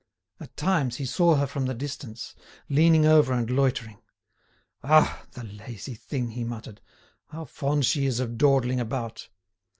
At times, he saw her from the distance, leaning over and loitering. "Ah! the lazy thing!" he muttered; "how fond she is of dawdling about!"